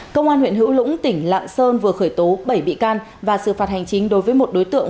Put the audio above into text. công an huyện hữu lũng tỉnh lạng sơn vừa khởi tố bảy bị can và xử phạt hành chính đối với một đối tượng